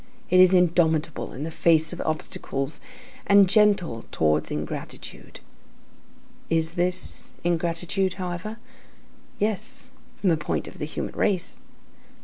It is indomitable in the face of obstacles and gentle towards ingratitude. Is this ingratitude, however? Yes, from the point of view of the human race.